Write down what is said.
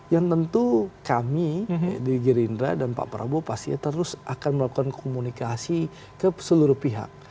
yang tentu kami di gerindra dan pak prabowo pastinya terus akan melakukan komunikasi ke seluruh pihak